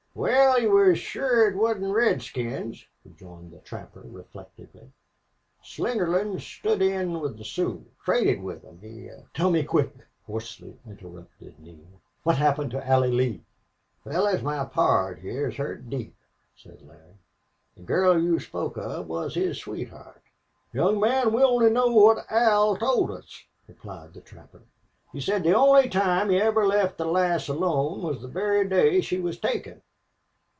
"Wal, he was sure it wasn't redskins," rejoined the trapper, reflectively. "Slingerland stood in with the Sioux traded with 'em. He " "Tell me quick!" hoarsely interrupted Neale. "What happened to Allie Lee?" "Fellars, my pard heah is hurt deep," said Larry. "The girl you spoke of was his sweetheart." "Young man, we only know what Al told us," replied the trapper. "He said the only time he ever left the lass alone was the very day she was taken.